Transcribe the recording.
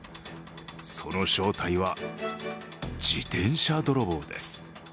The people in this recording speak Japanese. その正体は、自転車泥棒です。